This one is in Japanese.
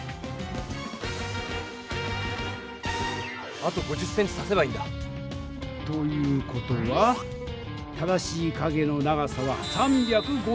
あと５０ｃｍ足せばいいんだ！という事は正しい影の長さは３５０ｃｍだ。